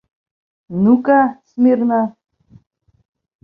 Ну-ка, смирно!